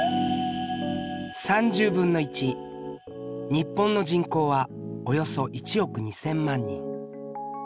日本の人口はおよそ１億２，０００万人。